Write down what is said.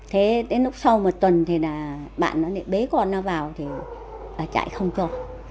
thế đến lúc sau một tuần thì là bạn nó lại bế con nó vào thì bà chạy không cho